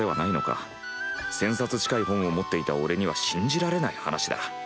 １，０００冊近い本を持っていた俺には信じられない話だ。